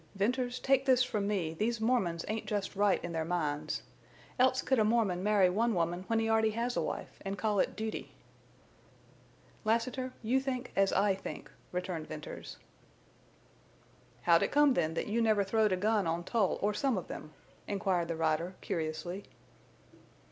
Venters, take this from me, these Mormons ain't just right in their minds. Else could a Mormon marry one woman when he already has a wife, an' call it duty?" "Lassiter, you think as I think," returned Venters. "How'd it come then that you never throwed a gun on Tull or some of them?" inquired the rider, curiously.